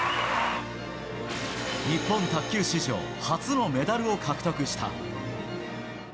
日本卓球史上初のメダルを獲得した。